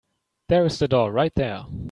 There's the door right there.